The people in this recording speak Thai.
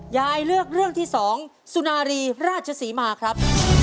ยายเลือกเรื่องที่๒สุนารีราชศรีมาครับ